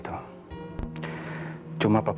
aku juga yakin